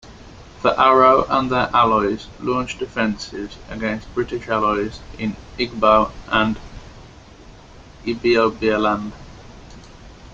The Aro and their allies launched offensives against British allies in Igbo and Ibibioland.